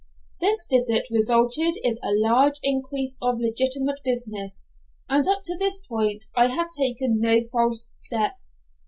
This visit resulted in a large increase of legitimate business, and up to this point I had taken no false step.